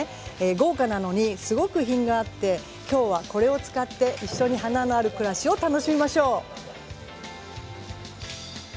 豪華なのにすごく品があってきょうはこれを使って一緒に花のある暮らしを楽しみましょう。